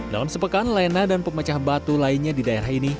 dalam sepekan lena dan pemecah batu lainnya di daerah ini